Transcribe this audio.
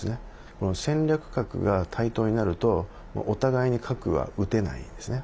この戦略核が対等になるとお互いに核は撃てないんですね。